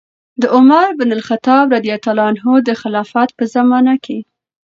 د عمر بن الخطاب رضي الله عنه د خلافت په زمانه کې